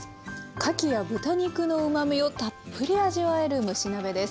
かきや豚肉のうまみをたっぷり味わえる蒸し鍋です。